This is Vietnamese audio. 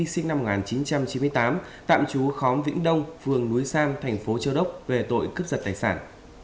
sinh năm một nghìn chín trăm chín mươi tám tạm trú khóng vĩnh đông phường núi sam thành phố châu đốc về tội cướp giật tài sản